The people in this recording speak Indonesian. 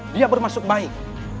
dia bermaksud baik